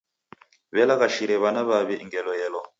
W'alaghashire w'ana w'aw'i ngelo elwa.